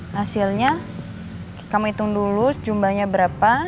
hasilnya kami hitung dulu jumlahnya berapa